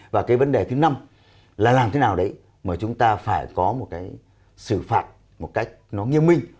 và cái vấn đề thứ năm là làm thế nào đấy mà chúng ta phải có một cái xử phạt một cách nó nghiêm minh